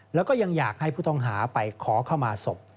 แล้วก็ยังอยากให้ผู้ต้องหาไปขอเข้ามาศพ